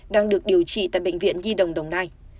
đang được điều trị tại bệnh viện nhi đồng đồng nai